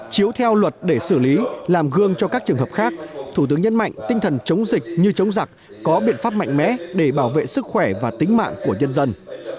chiếu theo luật để xử lý làm gương cho các trường hợp khác thủ tướng nhấn mạnh tinh thần chống dịch như chống giặc có biện pháp mạnh mẽ để bảo vệ sức khỏe và tính mạng của nhân dân